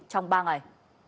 trong ba ngày